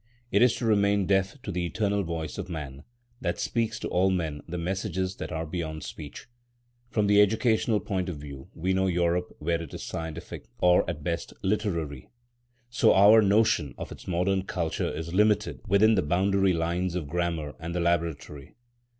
It is to remain deaf to the eternal voice of Man, that speaks to all men the messages that are beyond speech. From the educational point of view we know Europe where it is scientific, or at best literary. So our notion of its modern culture is limited within the boundary lines of grammar and the laboratory.